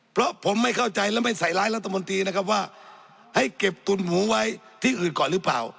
เพราะผมไม่เข้าใจและไม่ใส่ร้ายรัฐมนตรีนะครับว่าให้เก็บตุ๋นหมูไว้ที่อื่นก่อนหรือเปล่า